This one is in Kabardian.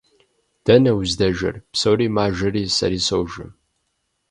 – Дэнэ уздэжэр? – Псори мажэри сэри сожэ.